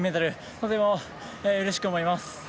とてもうれしく思います。